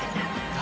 誰？